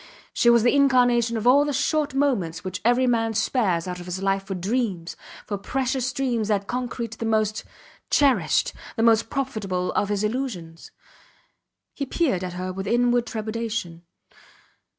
She was the incarnation of all the short moments which every man spares out of his life for dreams, for precious dreams that concrete the most cherished, the most profitable of his illusions. He peered at her with inward trepidation.